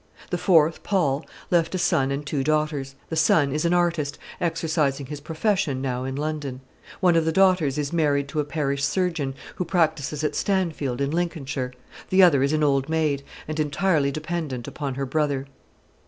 The fourth, Paul, left a son and two daughters. The son is an artist, exercising his profession now in London; one of the daughters is married to a parish surgeon, who practises at Stanfield, in Lincolnshire; the other is an old maid, and entirely dependent upon her brother.